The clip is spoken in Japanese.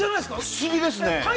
◆不思議ですね！